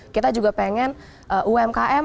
kita juga pengen umkm